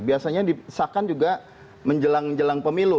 biasanya disahkan juga menjelang jelang pemilu